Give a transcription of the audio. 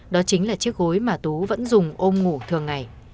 đó chính là chiếc gối mà tú vẫn dùng ôm ngủ thường ngày